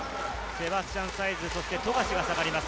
セバスチャン・サイズ、富樫が下がります。